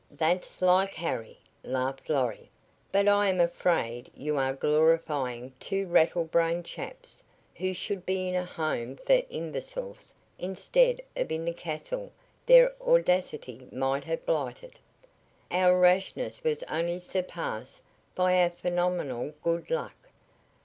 "That's like Harry," laughed Lorry. "But I am afraid you are glorifying two rattlebrained chaps who should be in a home for imbeciles instead of in the castle their audacity might have blighted. Our rashness was only surpassed by our phenomenal good luck.